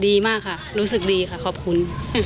ดีมากค่ะรู้สึกดีค่ะขอบคุณ